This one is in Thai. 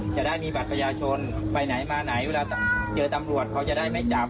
จะได้มีบัตรประชาชนไปไหนมาไหนเวลาเจอตำรวจเขาจะได้ไม่จับ